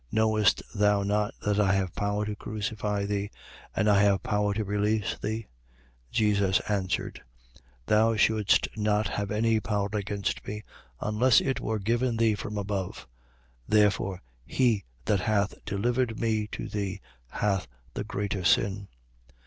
Knowest thou not that I have power to crucify thee, and I have power to release thee? 19:11. Jesus answered: Thou shouldst not have any power against me, unless it were given thee from above. Therefore, he that hath delivered me to thee hath the greater sin.